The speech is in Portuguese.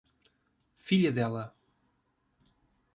Filha dela